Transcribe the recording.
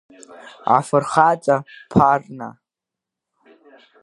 Афырхаҵа, Ԥарна!